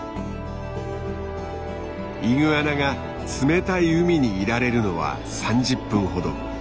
イグアナが冷たい海にいられるのは３０分ほど。